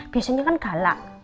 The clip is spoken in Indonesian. biasanya kan galak